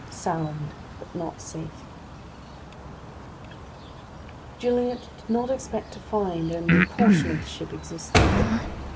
III SOUND; BUT NOT SAFE Gilliatt did not expect to find only a portion of the ship existing.